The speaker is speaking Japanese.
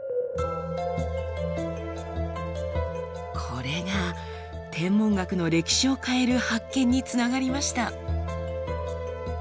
これが天文学の歴史を変える発見につながりました。